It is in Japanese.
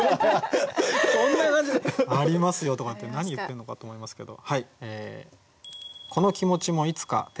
こんな感じで「ありますよ」とかって何言ってんのかって思いますけど。